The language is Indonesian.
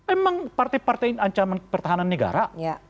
emang partai partai ini ancaman pertahanan negara